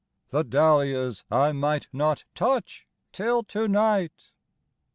The dahlias I might not touch till to night!